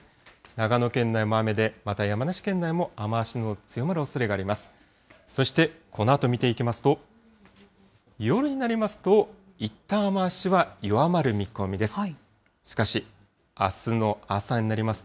長野県内も雨で、また山梨県内も雨足の強まるおそれがあります。